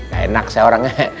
gak enak saya orangnya